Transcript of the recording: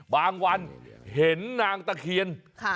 วันเห็นนางตะเคียน